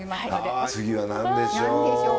次は何でしょう？